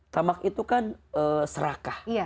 tamak itu kan serakah